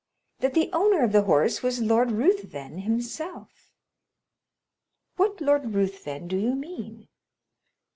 "That the owner of the horse was Lord Ruthven himself." "What Lord Ruthven do you mean?"